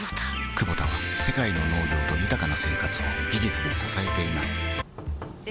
クボタは世界の農業と豊かな生活を技術で支えています起きて。